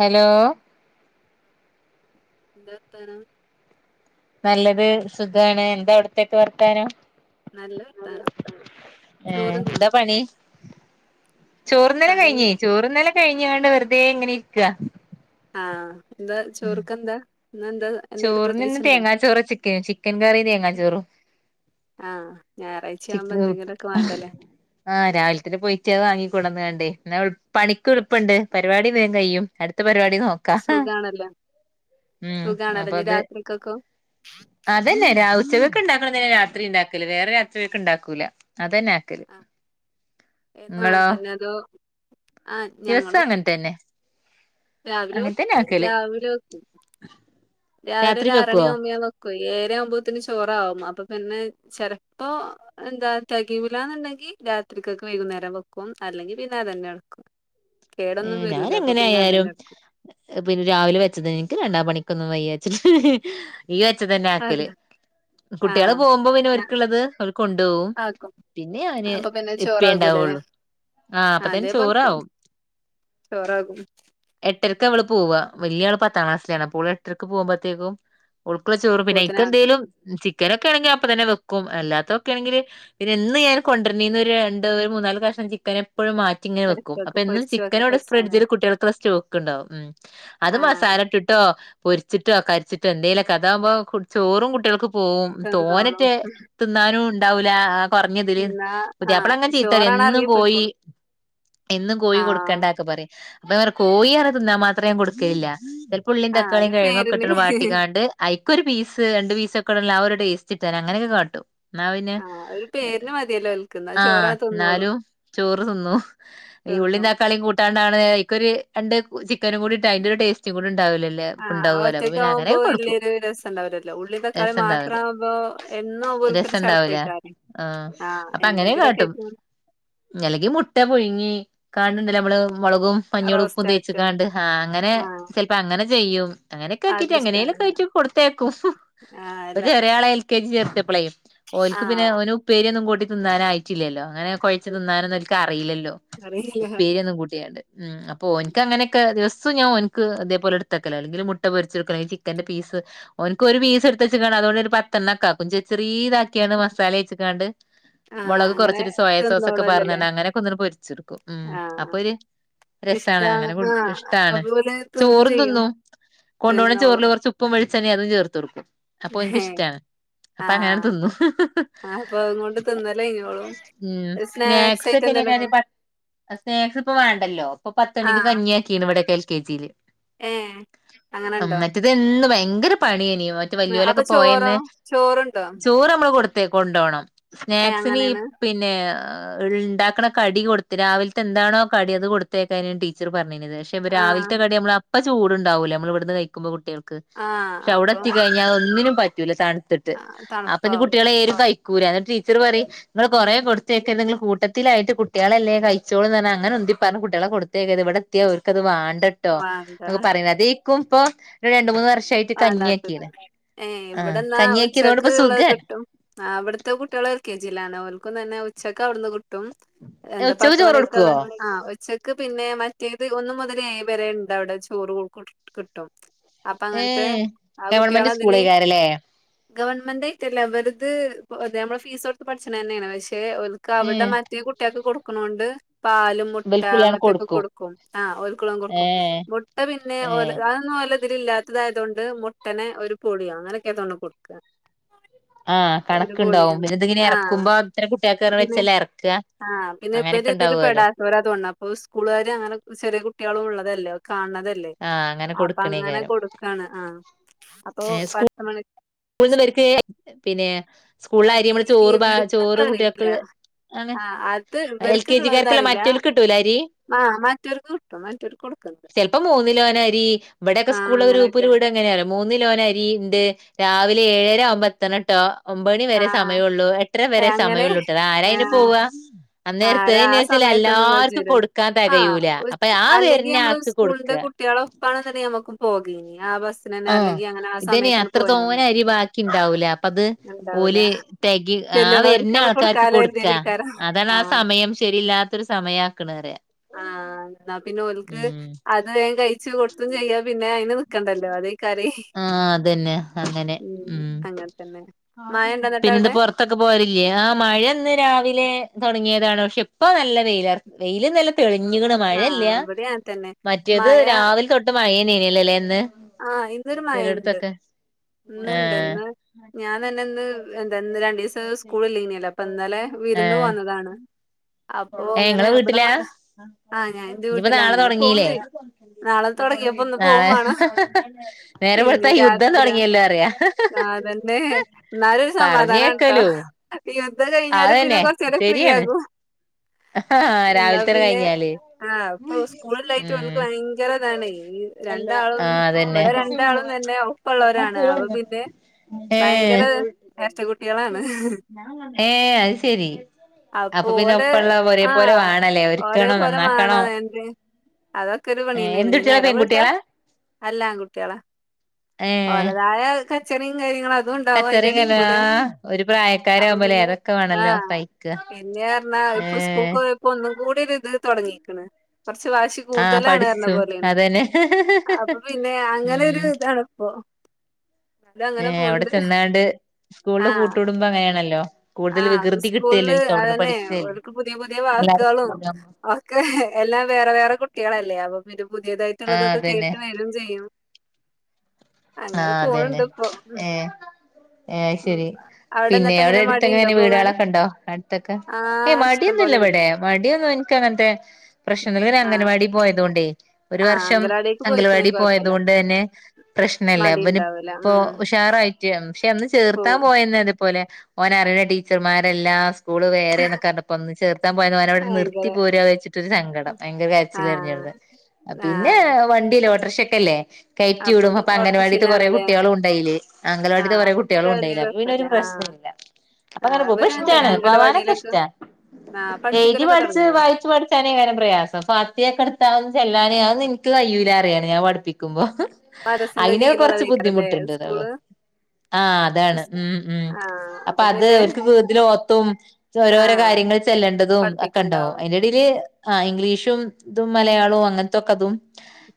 Hello? എന്താവർത്താനം. നല്ലത് സുഖാണ് എന്താ അവിട്ത്തേക്കെ വർത്താനം. നല്ല വർത്താനം ഏ ചോറുന്നോ ന്താപണി. ചോറുനല് പണി കഴിഞ്ഞി ചോറുനല് കഴിഞ്ഞിയാണ്ട് വെറുതെങ്ങനെ ഇരിക്അ. ആഹ ന്താ ചോർക്കെന്താ ഇന്നന്താ. ചോറിന്ന് തേങ്ങാച്ചോർചിക്ക. ചിക്കൻ കറി തേങ്ങാച്ചോറും. ആഹ്. ഞായറാഴ്ച ആവുമ്പോ ചിക്കൻ ന്തെങ്കിലുക്കെ വാണ്ടലേ. ആഹ് രാവിൽതന്നെ. പോയിട്ട് അഹ് വാങ്ങികൊടന്ന്ണ്ടേ ന്നൽ പണികെളുപ്പണ്ട്. പരിവാടിം വേകെയും. അടുത്ത പരിപാടിനോ. സുഖണല്ല. സുഖ അപ്പഅത്. അതന്നെ രാ ഉച്ചകയ്ക് ണ്ടാക്കണെതെരാത്രിണ്ടാകല്. വേറെ രാത്രികക് ണ്ടാക്കൂല അതന്നെ. കല് ആഹ് ങ്ങളോ എന്നാട്ടന്നെ അതോ ആഹ് ദിവസ ഞങ്ങളും അങ്ങൻത്തന്നെ.. രാവിലെ വെക്കൂ. രാവിലെ വെക്കൂ. രാവിലെ. രാത്രി ഒര ആറണി വെക്കുവോ യവുബോ ഞാൻ വെക്കോയ്‌ ഏയരാആവുമ്പോത്തിന് ചോറാവും അപ്പൊ പിന്നെ ചെലപ്പോ. എന്താ തെകയൂല ന്ന്ണ്ടെങ്കി രാത്രിക്കക്ക് വൈകുന്നേരം വെക്കും അല്ലെങ്കിൽ പിന്നെ അതന്നെടുക്കും. കേടൊന്നും ഏഹ് ഞാൻ വരൂല അപ്പൊ എങ്ങനെ പിന്നെ ആയാലും അതെന്നെട്കും. പിന്നെ രാവിലെ വെച്ചത്. ഇൻക്ക് രണ്ടാംപണിക്കൊന്നും വയ്യാച് ഈ വെച്ച തന്നെ ആക്കല് അതെ കുട്ട്യള് ആഹ് പോമ്പോ പിന്നെ ഞാൻ ഓല്ക് ഇള്ളത് ഓൽ കൊണ്ടോം ആക്കും പിന്നെ അവന് അപ്പൊ പിന്നെ ചോറാകൂലല്ലേ ഇപ്പിയെണ്ടാവോള്ളൂ ആഹ് അപ്പത്തേനെ ചോറാവും ചോറകും എട്ടരക്ക അവള് പോവ വല്ല്യ ആള് പത്താ ക്ലാസിലാണ് അപ്പോൾ എട്ടരക്ക് പോവുമ്പഴത്തേക്കും ഓൾക്കുള്ള ചോറ് പിന്നെ ഇക്ക പോത്തിനാക്കും എന്തേലും ചിക്കനൊക്കെ ആണെങ്കി അപ്പ തന്നെ വെക്കും എല്ലാത്തൊക്കെയാണെങ്കില് എന്ന് ഞാൻ കൊണ്ട്യരിനിന്ന് ഒര് രണ്ട് ഒരു മൂന്നാല് കഷ്ണം ചിക്കന് എപ്പഴും മാറ്റിങ്ങനെ എടുത്ത് വെക്കും അപ്പം എന്നും പൊരിച്ച് ചി വെക്കും ഇവടെ പൊരിച്ചാന സ്ഫ്രിജില് കുട്ട്യോൾക്ക് ഒള്ള സ്റ്റോക്ണ്ടാവും മ് അത് ആഹ് മസാല ട്ടിട്ടോ പൊരിച്ചിട്ടോ കരിച്ചിട്ടോ എന്തേലൊക്കെ അഥാവുമ്പോ കു ചോറും കുട്ട്യോൾക് പോവും തിന്നോളും തോനറ്റ് തിന്നാനും ഉണ്ടാവൂല കൊറഞ്ഞതില് എന്നാ പുതിയപ്പള ആഹ് അങ്ങനെ ചീത്തറിം ചോറാണ് എന്നും എറങ്ങി കോയി പോയിക്കോളും എന്നും കോയി കൊടു ആഹ് ക്ക പറയേം [unintelligible] കോയിർ തിന്നാ മാത്രേ ഞാൻ കൊടുകെല്ല്യ ഉള്ളിം ആഹ് തക്കളിം ഒരു കെഴങ്ങുകെ പേരിന് ഇട്ടുണ്ട് വാട്ടിക്കാണ്ട് അയികൊരുപീസ് രണ്ട് പീസോക്കെടല ആ ഒരു ടെസ്റ്റിട്ടാൻ അങ്ങനെയൊക്കെ കാട്ടും ന്നാ പിന്നെ ആഹ് ഒരു പേരിന് മതിയല്ലോ ഓൽക്ക് എന്നാ ആഹ് ചോറാണ് തിന്നോളും എന്നാലും ചോറ് തിന്നു ഈ ഉള്ളി തിന്നും തക്കാളിയും കൂട്ടാണ്ടാണ് ഇക്കൊര് രണ്ട് ചിക്കനും കൂടിട്ട് അയിന്റെ ഒര് ടേസ്റ്റും കൂടിണ്ടാവുല ആഹ് ഒറ്റക്കവുമ്പോ വല്യ ഒരു രസണ്ടാവുല്ലല്ലോ ഉള്ളിം തക്കാളീം മാത്ര രസണ്ടാവൂല ആവുമ്പോ എന്നു വൊൽക്കൊരു രസണ്ടാവൂല ചെർപ്പേക്കാരം ആഹ് അപ്പ അങ്ങനേം കാട്ടും അല്ലങ്കി മുട്ട പുഴുങ്ങി കാണണ്ടല്ലേ നമ്മള് മൊളകും പഞ്ഞളും ഉപ്പും റോസ്റ്റ് ആക്ക തേചിക്കാണ്ട് ആഹ് അങ്ങനെ ആഹ് ചെൽപ്പം അങ്ങനെ ചെയ്യും അങ്ങനെക്കെ അത് ആക്കിട്ട് ഇഷ്ടാണ് എങ്ങനെലൊക്കെ ല്ലേ ആയിട്ട് കൊടുത്തേക്കും ആഹ് ഇപ്പൊ അല്ല ചെറിയളെ എൽ കെ ജി ചേർത്തിപ്പളേ ഓൽക്ക് പിന്നെ ആഹ് ഓന് ഉപ്പേരി ഒന്നും കൂട്ടി തിന്നാന് ആയിട്ടില്ലല്ലോ അങ്ങനെ കൊഴച്ച് തിന്നാനൊന്നും ഓൽക്ക് അറിയില്ലല്ലോ അറിയില്ല ഉപ്പേരി ഒന്നും കൂട്ടിയാണ്ട് ഉം അപ്പോ ഓൻക്ക് അങ്ങനെക്കെ ദിവസവും ഞാൻ ഓൻക്ക് ഇതേപോലെ എടുത്തക്കലാ അല്ലെങ്കിലും മുട്ട പൊരിച്ച് കൊടുക്കണം ചിക്കന്റെ പീസ് ഓൻക്ക് ഒര് പീസ് എടുത്ത് വെച്ച്ക്കാണ്ട് അതുകൊണ്ട് ഒര് പത്തണ്ണം ഒക്കെ ആക്കും ചെ ചെറീതാക്കിയാണ് മസാല തേച്ച്ക്കാണ്ട് ആഹ് മൊളക് അങ്ങനെ കൊറച്ചൊരു സോയ സോസ് ഒക്കെ തിന്നോളൂല്ലല്ലേ പറഞ്ഞ്ക്കാണ്ട് അങ്ങനെക്കെ ഒന്ന് പൊരിച്ചെടുക്കും ഉം ആഹ് അപ്പൊര് രസാണ് ഇഷ്ടാണ് അങ്ങനെ ആഹ് ഇഷ്ടാണ് അതുപോലെ ചോറ് ചെയ്യും തിന്നും കൊണ്ടു പോണ തിന്നോളും ചോറില് കൊറച്ച് ഉ പ്പും വെളിച്ചണ്ണെ അതും ചേർത്ത് കൊടുക്കും അപ്പൊ ഓൻക്ക് ഏഹ് ഇഷ്ടാണ് അപ്പ അങ്ങനെ ആഹ് തിന്നും അപ്പൊ അതുകൊണ്ട് തിന്നലഴിഞ്ഞോളും ഉം സ്നാക്സ് ആയിട്ട് സ്നാക്സ്ക്കെ എന്തേലൊക്കെ എങ്ങനെയാണ് [unintelligible] സ്നാക്സ് ഇപ്പ വേണ്ടല്ലോ ഇപ്പൊ പത്ത് മണിക്ക് ആഹ് കഞ്ഞി ആക്കിണ് ഇവടെയൊക്കെ എൽ കെ ജിയില് ഏഹ് അങ്ങനെ ഉണ്ടോ? ഇതിന്ന് ഭയങ്കര പണിയ്ന് മറ്റ് വലിയോല് അപ്പൊ ഒക്കെ ചോറോ പോയന്ന് ചോറുണ്ടോ ചോറ് നമ്മള് കൊട് കൊണ്ടോണം ഏഹ് സ്നാക്സിന് ഈ അങ്ങനെയാണ് പിന്നെ ഇണ്ടാക്കണ കടി കൊടുത്ത് രാവിൽ ത്തെ എന്തണോ കടി അത് കൊടുത്തേക്കാണ് ടീച്ചറ് പറഞ്ഞിരുന്നത് പക്ഷെ ആഹ് രാവിലത്തെ കടി നമ്മള് ഇപ്പ ചൂടുണ്ടാവൂല്ലേ നമ്മള് ഇവിടുന്ന് കയിക്കുമ്പോ കുട്ടികൾക്ക് ആഹ് പക്ഷെ അവടെ അപ്പം എത്തി കയിഞ്ഞാ ഒന്നിനും പ റ്റൂല തണുത്തിട്ട് അപ്പൊ ഇനി തണുപ്പാവും കുട്ടികള് ഏതും കയി കൂല്ല എന്നിട്ട് ടീച്ചറ് പറയും നിങ്ങള് കൊറെ കൊടുത്തയ്ക്കല്ലെ നിങ്ങള് കൂട്ടത്തിലായിട്ട് കുട്ടികളല്ലേ കയി ച്ചോളും പറഞ്ഞ് അങ്ങനെ ഉന്തി പറഞ്ഞ് കുട്ടികളെ കൊടുത്തേക്കരുത് ഇവടെ എത്തിയാ ഓര്ക്കത് വാണ്ടട്ടോ വേണ്ട അങ്ങ് പറയും [unintelligible] ക്കും ഇപ്പോ രണ്ട് മൂന്ന് വർ വാണ്ടാത്തത് ഏഹ് ഇവടെന്നാ കഞ്ഞിയാക്കിയതോണ്ട് ഉച്ചക്ക് ഇപ്പൊ ഒള്ളത് സുഖാണ് കിട്ടും ആഹ് അവടത്തെ കുട്ടികളും എ ൽ കെ ജിയിലാണ് അവർക്കും തന്നെ ഉച്ചക്ക് അവടുന്ന് കി ട്ടും എന്താ ഉച്ചക്ക് പത്ത് ചോറ് മണിക്കൊള്ള കൊടുക്കുവോ ആഹ് ഉച്ച ക്ക് പിന്നെ മറ്റേത് ഒന്ന് മൊതല് ഏഴ് വരെ ഇണ്ട് അവടെ ചോറ് കിട്ടും അപ്പ ഏ അങ്ങന ത്തെ ആ ഗവൺമെന്റ് കുട്ടികളെ അതില് സ്കൂളേക്കാരല്ലേ ഗവൺമെന്റ് ആയിട്ടല്ല ഇവരത് ഞമ്മള് ഫീസോടുത്ത് പഠിച്ച്ണ തന്നെയാണ് പക്ഷെ ഒ ഉം ക്കവടെ മറ്റെ കുട്ടിയാക്ക് കൊടുക്കണോണ്ട് പാലും മുട്ട അങ്ങനത്തെയൊക്കെ കൊടുക്കും ആഹ് ഓൽക്ക് ഉള്ളതും ഏ കൊടുക്കും മുട്ട പിന്നെ ഏ ഓ [unintelligible] ഇതില് ഇല്ലാത്തതായതോണ്ട് മുട്ടനെ ഒരു പൊളിയാ അങ്ങനൊക്കെതൊ കൊടുക്ക ആഹ് കണക്കിണ്ടാവും പൊളിയാണ് പിന്നെ ഇതിങ്ങനെ ആ എറക്കുമ്പോ അത്ര കുട്ടികൾക്ക് പിന്നെ വെച്ചല്ലെ ഇറക്ക ആ പിന്നെ ഇബല് ഇതില് പെടാ [unintelligible] അപ്പൊ സ്കൂളുകാര് അങ്ങനെ ചെറിയ കുട്ടികളും ഉള്ളതല്ലോ കാൺണ ല്ലെ ആ അങ്ങനെ അപ്പ അങ്ങനെ കൊടുക്കണേക്കാരം കൊടുക്കാണ് ആഹ് അപ്പൊ പത്ത് മണി സ്കൂൾന്ന്ള്ളോര്ക്ക് പിന്നെ സ്കൂൾലെ അരി അത് നമ്മള് ചോറ് പ ഇവർക്ക് ചോറ് അറിയില്ല കുട്ടിയെക്ക്. ആണ് ആഹ് അത് എൽ കെ ജി ക്കാർക്കല്ലാ ഇവർക്ക്ന്നുള്ളതറിയില്ല. മറ്റൊൽക്ക് കിട്ടൂലെ അരി. ആഹ് മറ്റോർക്ക് കിട്ടും. മറ്റോർക്ക് കൊടുക്കുന്നുണ്ട്. ചെൽപ്പം മൂന്ന് കിലേനരി ഇവടക്കെ ആഹ് സ്കൂള്ല് ഒരു ഗ്രൂപ്പില് അങ്ങനെയൊക്കെ. വിട എങ്ങനെറിയോ മൂന്നിലോനരി ഇണ്ട് രാവിലെ ഏഴര ആവുമ്പോ ഏത്തെണട്ടോ? ഒമ്പേണി വരെ ആഹ് സമയള്ളൂ എട്ടര വരെ ഏഹ് അങ്ങനെ സമയള്ളൂട്ടേ ആരായിന് ഏഹ് പോവ അന്നേരത്തെ ആരാ ആ [unintelligible] സമയത്തൊന്നും എല്ലാർക്കും കജ്ജൂലല്ലോ. കൊടുക്കാൻ ആഹ് തെകയൂല അപ്പ ഉച് ആ വര്ന്ന ആക്ക് കൊട്ക്ക. പ്പണം ന്ന് ഇണ്ടങ്കി നമുക്ക് പോകെനി ആ ബസ്. ആഹ് ഇതയ്ന് അത്രത്തോന അരി ബാക്കി ഇണ്ടാവൂല അപ്പ ഇത്. ഇണ്ടാവൂല. ഓല് തെകി ആ വര്ന്ന ചെല്ലണോര്ക്കണ് ആൾക്കാർക്ക് കൊടുക്കാലോ കൊടുക്കാ കരുതിയേക്കാരം. അതാണ് ആ ആഹ് സമയം ശരിയില്ലാ തോരു സമയാക്ക്ണ് റിയാ. ആഹ് ന്നാ പിന്നെ ഓൽക്ക്. അ ന്നാ വേം കഴിച് കൊട്ത്തും ചെയ്യാ പിന്നെ അയിന് നിക്കണ്ടല്ലോ അതേയ്കരെ. ആ അതന്നെ അങ്ങനെ ഉം അങ്ങനെ തന്നെ. മഴണ്ടോ എന്നിട്ടവിടെ? പിന്നെന്താ പൊർ ത്തൊക്കെ പോവല് ഇല്ല്യെ ആ. മഴ ഇന്ന് രാവിലെ തൊട്ങ്ങിയതാണ് പക്ഷെ ഇപ്പ നല്ല വെയില. വെയില് നല്ലോം തെളിഞ്ഞ്ക്ക്ണ് മഴഇല്ല ആഹ് ഇവിടെ അങ്ങനെ തന്നെ മറ്റേത് മഴ രാവിൽ തൊ ട്ട് മഴേനേനി അല്ലെ ലെ ഇന്ന് ആഹിം ചെലൊട്ത്തൊക്കെ. ഇന്ന്ണ്ട് ഇന്ന് ഞാൻ തന്നെ ഇന്ന് എന്താ ഇ രണ്ടീസം സ്കൂള് ഇല്ലെനിയല്ലോ. അപ്പ ഇന്നലെ വിരുന്ന് വന്നതാണ് അപ്പൊ ഏ ങ്ങനെ ഇങ്ങളെ ഇവിടെ വീട്ടിലാ ആ ഞാൻ ഇന്റെ ഇനിയിപ്പോ വീട്ടിലാണ് നാളെ ഇന്ന്പോവും തുടങ്ങീല്ലേ ചെയ്യും നാളെ തൊടങ്ങിയപ്പോ ഇന്ന് പോവും നാളെ വാണം നേരം വെളുത്ത യുദ്ധം രാത്രിയാ തുടങ്ങിയല്ലോ അറിയാ ആ തന്നെ ഇന്നാലൊരു സമാധാനണ് ട്ടോ പറഞ്ഞേക്കലോ യുദ്ധം കഴിഞ്ഞാല് പിന്നെ കൊർചെരം ഫ്രീ ആകും രാവിൽ ഇന്നാ തന്നെ പിന്നെ കഴിഞ്ഞാല് ആഹ് ഇപ്പൊ സ്കൂളില്ലായിട്ട് ഏ ഓൽക്ക് ഭയങ്കര ഇതാണ് ഈ അല്ല രണ്ടാളും ആ ദന്നെ ഇവിടെ രണ്ടാളും തന്നെ ഒപ്പള്ളോരാണ് അപ്പൊ പിന്നെ ഭയങ്കര ഏഹ് എരട്ടക്കുട്ടികളാണ് ഏ അയ് ശരി അപ്പൊ പിന്നെ ഓല് ഒപ്പള്ള ഒരേപോലെ ആഹ് വേണല്ലേ ഒരുക്കണോ ഒരേപോലെ മാണ നന്നാക്കണോ എന്റെ അതൊക്കെരു ഏ പണിയന്നേണ് എന്ത് ഇഞ് കുട്ടികളാ നേരം വെൾത്ത പെൺകുട്ടികളാ അല്ല ആൺകുട്ടികള ഏ ഓലതായ കച്ചറിം കാര്യങ്ങളു അതുണ്ടാവും അയിന്റെടി കച്ചറിങ്ങല്ല കൂടെ ഒരു അപ്പ പ്രായക്കാരാവുമ്പോലേ പിന്നെ അതൊക്കെ വേണല്ലോ ആഹ് സഹിക്ക പിന്നെർഞാ ഏ ഇപ്പൊ സ്കൂൾക്ക് പോയപ്പോ ഒന്നും കൂടി ഒര് ഇത് തൊടങ്ങിക്ക്‌ണ് കൊർച്ച് വാശി ആ കൂടുതലാണ് പറഞ്ഞ പഠിച്ചു പോലെയാണ് അതന്നെ അപ്പൊ പിന്നെ അങ്ങനെരു ഉം ഇതാണ് പ്പോ ഏ അവ്ടെ ചെന്നാണ്ട് സ്കൂൾല് ആ കൂട്ട് കൂടുമ്പോ അങ്ങനെണല്ലോ കൂടുതൽ ആഹ് വികൃതി കിട്ടല്ലേ സ്കൂളില് ഓൽക്ക് അവ്ട്ന്ന് അതന്നെ പഠിക്കല്ലേ ഓര്ക്ക് പുതിയ പുതിയ എല്ലാ വാക്കുകളും ഒക്കെ എല്ലാം വേറെ വേറെ കുട്ടിയളല്ലേ അപ്പൊ പിന്നെ പുതിയതായിട്ടുള്ളതൊക്കെ അതന്നെ കേട്ട് വരും ചെയ്യും ആ അങ്ങനെ അതന്നെ പോണുണ്ട് ഇപ്പൊ ഉം ഏ ഏ ഉം ശരി അവിടെ പിന്നെ എന്നിട്ട് അവ്ടെ എങ്ങനെ മടിയുണ്ടോ എട്ത്തങ്ങനെ പോകാന് വീടുകളൊക്കെ ഇണ്ടോ അട്ത്തൊക്കെ എ ആഹ് ഇഷ്ടം മടിയൊന്നുല്ല പോലെ ഇവടെ വിടുന്നു മടിയൊന്നും ഇൻക്കങ്ങൻത്തെ പ്രശ്നന്നുല്ല ഇവര് ആഹ് അംഗൻവാടി പോയത് കൊണ്ടേ ഒരു ആഹ് വർഷം അംഗനവാടിക്ക് പോയിക്കണേ അംഗൽവാടി പോയത് കൊഴപ്പല്ല കൊണ്ട് തന്നെ ന്നല്ലെ മടി വന് ഉണ്ടാവൂല ഇപ്പോ ഉം ഉഷാറായി പക്ഷെ അന്ന് ചേർത്താം പോവും പോയന്ന് അതേപോലേ ഓന അറിണ ടീച്ചർമാരെല്ലാ സ്കൂള് വേറെന്നക്കെ അർഞ്ഞപ്പോ ഒന്ന് ചേർത്താം പോയ ഓനവ്ടെ ഭയങ്കര നിർത്തി പോര വെച്ട്ട് സങ്കടം ഭയങ്കര കര്ച്ചില് കര്ഞ് ആഹ് അവ്ട്ന്ന് പിന്നെ ആഹ് വണ്ടി ഓട്ടർഷൊക്കെല്ലേ കയറ്റി അപ്പൊ വിടുമ്പോ പി പ്പം അംഗനവാടിത്തെ കുറെ ഓട്ടോറിക്ഷയിലാണല്ലേ കുട്ടിയളും ഉണ്ടയില് അംഗലവാടിത്തെ ആഹ് കുറെ അപ്പൊ കുട്ടിയളും പിന്നെ വലിയ ഉണ്ടയില് അപ്പൊ പിന്നെ കുഴപ്പല്ല ഒരു ആഹ് പ്രശ്നല്ല അപ്പൊ അങ്ങനെ ആഹ് പോകു പ്പൊ ഇവരും തന്നെ ഇഷ്ടാണ് പോവാനൊക്കെ അംഗലവാടിയിലൊക്കെ ഇഷ്ടാ ആഹ് എഴുതി പഠിപ്പിക്കലൊക്കെ പഠിച്ച് തുടങ്ങിയോ വായിച്ചു പഠിച്ച് എനേകാരം പ്രയാസപ്പോ ഫാ ത്തിയൊക്കെട്ത്താ ഒന്ന് ചെല്ലാന് അ ഒന്നുൻക്ക് കയ്യൂലറിയാണ് ഞാ പഠിപ്പിക്കുമ്പോ മദ്രസിന്റെ അയ്നെ കൊറച്ച് കീഴിലുള്ളതേക്കാരല്ലേ ബുദ്ധിമുട്ടുണ്ട് ന്നൊള്ളു സ്കൂള് ആഹ് അതാണ് ഉം ഉം ആഹ് അപ്പ അപ്പൊ അത് പിന്നെ അവര്ക്ക് വീതില് ഓത്തും ച്ചൊ രോരോ ആഹ് കാര്യങ്ങൾ ചെല്ലണ്ടതും ഒക്കെണ്ടാവും പഠിപ്പിക്കണ്ടാവും അതിന്റെ തില് അഹ് ഇംഗ്ലീഷും ഇതും മലയാളവും അങ്ങനത്തൊക്കെ തും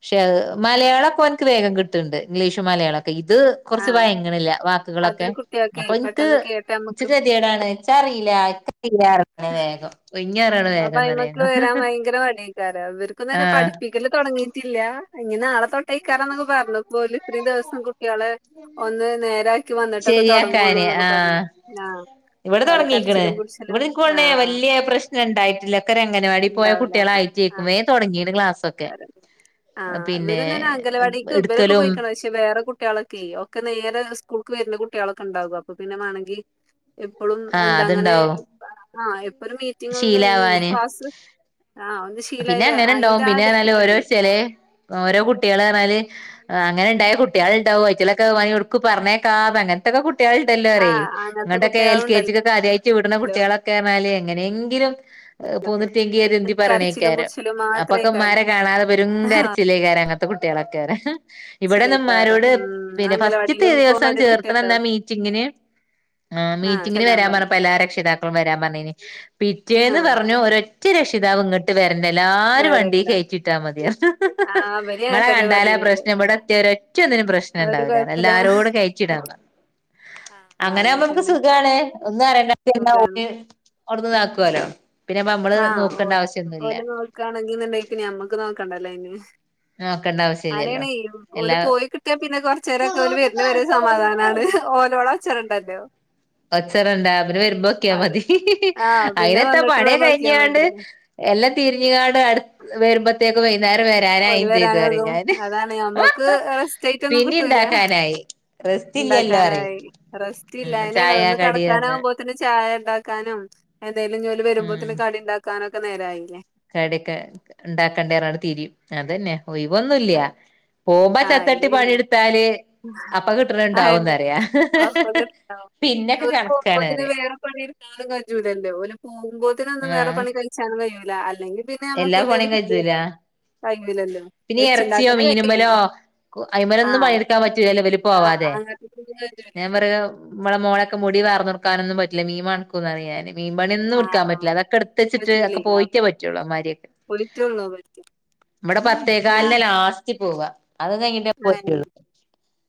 പക്ഷേ മലയാളമൊക്കെ ഒനിക്ക് വേഗം കിട്ടണ്ട് ഇംഗ്ലീഷും മലയാളമൊക്കെ ഇത് കൊറച്ച് ആഹ് വയങ്ങണില്ല അത് വാക്കുകളൊക്കെ കുട്ടികൾക്കെ അപ്പൊ ഇൻക്ക് പെട്ടെന്ന് കേട്ട് ഇച് നമ്മക്ക് കെതിയെടാണ് ഇച്ചറീല [unintelligible] ല്ല അറങ്ങ്ണ് വേഗം [unintelligible] കൊഴിഞ്ഞാടാണ് അപ്പൊ വേഗം അയ്മക്ക് വരാൻ [unintelligible] ആഹ് തുടങ്ങിയിട്ടില്ല ഇങ്ങനെ നാളെ തൊട്ടേക്കാറന്നൊക്കെ പറഞ്ഞു പോല ഇത്രയും ദിവസം കുട്ടികള് ഒന്ന് നേരാക്കി വന്നിട്ടൊക്കെ ശരിയാക്കാന് തൊടങ്ങൊള്ളൂന്നൊക്കെ പറഞ്ഞു ആഹ് ആഹ് ഇവിടെ ഓലെ തൊടങ്ങീക്കണ് കരച്ചിലും പുടിച്ചിലും ഇവിടെ ഇൻക്കോണേ ആഹ് വല്ല്യെ പ്രശ്നം ഉണ്ടായിട്ടില്ല ഒക്കെരങ്ങനവാടി പോയ ഇണ്ടാവൂല ആഹ് കുട്ടികളായിറ്റ് വേം തൊടങ്ങിണ് ക്ലാസൊക്കെ പിന്നെ ഗലവടിക്ക് ഇവലൊക്കെ എടുക്കലും പൊയ്ക്ക് ണ് പക്ഷെ വേറെ കുട്ടികളൊക്കെയ് ഒക്കെ നേരെ സ്കൂൾക്ക് വരുന്ന കുട്ടികളൊക്കെ ഉണ്ടാവും അപ്പൊ പിന്നെ മണെങ്കി എപ്പോളും ആഹ് എന്താ അങ്ങനെ അത്ണ്ടാവും ആഹ് ഇപ്പോരു മീറ്റിങ്ങക്കൊ കഴിഞ്ഞുഞ്ഞു ഇഞ് ശീലാവാന് ക്ലാസ് ആഹ് ഒന്ന് ഷി പിന്നെ അങ്ങനെണ്ടാവും പിന്നെഞ്ഞാല് ഓരോ ചെലെ ഓരോ കുട്ട്യേളർഞ്ഞാല് അങ്ങനെണ്ടായ കുട്ടേൾണ്ടാവോ അയ്റ്റെളെക്കെ പണിട്ക്കു പർഞ്ഞയ്ക്കാതങ്ങനെ ട്ടൊക്കെ കുട്ടിയാള് ഇണ്ടല്ലോ അറിയെയ് ആഹ് അങ്ങനത്തെ ഇങ്ങട്ടൊക്കെ എൽ കെ ജി കുട്ടികളുണ്ടല്ലോ ല് കാര്യായിറ്റ് വിട്ണ കുട്ട്യോളക്കെർണാല് എങ്ങനെങ്കിലും പോന്ന്ട്ട്യങ്കി ഏത് ന്തിപറ്യണേ കരച്ചിലും ക്കാരം പുടിച്ചിലും അപ്പൊക്കെ മാത്രേക്കാരം മ്മാരെ കാണാതെ പെരു കരച്ചിലേക്കാര അങ്ങനത്തെ കുട്ടിയാളെക്കാരം ഇവടെന്നാ കരച്ചിലേക്കാരം മ്മാരോട് ഉം പിന്നെ ഫസ്റ്റത്തെ അംഗലവാടിയിലും പോകാൻ ദിവസം മടിയുള്ള ചേർത്ത്ണന്നാ കുട്ടികളുണ്ടാവും മീറ്റിങ്ങിന് ആഹ് മീറ്റിങ്ങിന് ചെല്ലാൻ വരാൻ പറഞ്ഞു പറഞ്ഞപ്പോ എല്ലാ രക്ഷിതാക്കളും വരാം പറഞ്ഞിനി പിറ്റേന്ന് ആഹ് പറഞ്ഞു ഓരോറ്റ റ്റ രക്ഷിതാവും ഇങ്ങട്ട് വരണ്ട എല്ലാരും വണ്ടി വരണ്ട കേറ്റിട്ടാ മതി പറഞ്ഞ് ആഹ് ഇവരും അങ്ങനെ ങ്ങളെ തന്നെ കണ്ടാലാ പറഞ്ഞീനത് പ്രശ്നം ഇവിടെത്തിയ ഒരൊറ്റന്നിനും ഒരു പ്രശ്നണ്ടാവില്ല കൊഴപ്പല്ല എല്ലാരോടും കയിറ്റി വിടാൻ പറഞ്ഞ് ആഹ് അങ്ങനൊവുമ്പ അങ്ങനെ മ്മക്ക് തന്നെ സുഖാണ് ഒന്ന് അറിയേണ്ട പിന്നെ സുഖാണ് ഓല് അവിടുന്ന് താക്കോലോ പിന്നെപ്പ നമ്മള് ആഹ് ഓ നോക്കേണ്ട ആവശ്യ- ഓല് നോൽക്കണെങ്കിന്ന്ണ്ടെ പിന്നെഞമ്മക്ക് നോക്കണ്ടല്ലോഅയ്ന് നോക്കണ്ട ആവശ്യല്ലല്ലോ അങ്ങനെണെയ് ഒല് എല്ലാ പോയി കിട്ടിയാ പിന്നെ കൊറച്ചേരൊക്കെ ഒരു വെര്ണെ വരെ സമാധാനാണ് ഓനോളച്ചടണ്ടല്ലോ ഒച്ചടണ്ട അവര് വരുമ്പോ അത് നോക്കിയമതി ആഹ് അയിന് പിന്നെ എത്താ പണിക്കെ വന്നിട്ടുള്ളത് നോക്കിയാ കഴിഞ്ഞാണ്ട് മതി എല്ലാം തിരിഞ്ഞുകാട് അടു വരുമ്പോ ത്തേക്ക് വൈന്നേരം ഓല് വരാനായിം ചെയ്ത്റിം വരാനാകും ഞാന് അതാണ് ഞമ്മക്ക് റെസ്റ്റായിട്ടൊന്നും പിന്നിം കിട്ടൂല ഇണ്ടാക്കാനായി റെസ്റ്റ് ഇല്ലല്ലോറിം ഇണ്ടാക്കാനായി ഉം ചായ കടിയറ്ഞ്ഞ് ത്തിന് ചായ ണ്ടാക്കാനും എന്തേലും ഞ്ഞോല് വരുമ്പോത്തിന് കടി ണ്ടാക്കാനും ഒക്കെ നേരായില്ലേ കടിക്കെ ണ്ടാക്കേണ്ടേ പറഞ്ഞ് തിരിയും അതന്നെ ഒഴിവ്ന്നുല്ല പോകുമ്പോ ആ ചത്തട്ടി പണിയെടുത്താല് അപ്പൊ കിട്ടണ അയെന്നെ ഇണ്ടാവുംന്നറിയാ അപ്പൊന്ന് ഇട്ക്കനം കാര്നം പിന്നൊക്കെ ഓര് കണക്കാണ് പോകുമ്പോത്തിന് പറയാ വേറെ പണി ക്കാനും കജ്ജൂലല്ലോ ഓല് പോകുമ്പോേത്തിനു ഒന്നും വേറെ ആഹ് പണി കഴിച്ചാലും കഴിയൂല്ല അല്ലെങ്കിൽ പിന്നെ പിന്നെ ഞമ്മക് എല്ലാ പണിയും എന്തേലും [unintelligible] കജ്ജൂല കഴിയൂല്ലല്ലോ വെച്ചുണ്ടാക്കണെ കയ്യും ക്കു അയ്മലൊന്നും പണിയെടുക്കാൻ പറ്റൂല്ലോ ഇവര് ആ പോവാതെ അങ്ങനത്തെ ഒന്നും കഴിയൂല ഞാൻ പറയും മ്മളെ മോനൊക്കെ മുടി വാർന്നൊടുക്കാനൊന്നും പറ്റില്ല മീൻ മണക്കൂന്ന് പറയും ഞാൻ മീൻ പണി ആ ഒന്നുടുക്കാൻ പറ്റില്ല അതൊക്കെ എടുത്ത് വച്ചിട്ട് അതൊക്കെ പറ്റൂലേ പോയിട്ടെ അപ്പൊ പറ്റു [unintelligible] മാരിയൊക്കെ പോയിട്ടുള്ളൂ പറ്റും ഇവിടെ പിന്നെ പത്തേകാലിന് ലാസ്റ്റ് പോവ അത് കഴിഞ്ഞിട്ട് [unintelligible]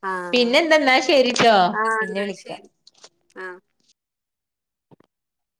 ആ പിന്നെ എന്തെന്നാ ശരിട്ടോ പിന്നെ വിളിക്ക ആഹ്